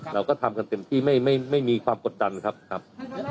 เราก็ทำกันเต็มที่ไม่มีความกดดันครับครับ